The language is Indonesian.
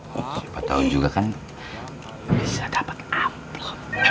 siapa tahu juga kan bisa dapat apa